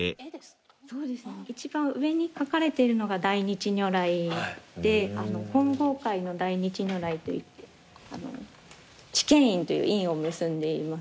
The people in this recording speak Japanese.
一番上に描かれてるのが大日如来で金剛界の大日如来といって智拳印という印を結んでいます。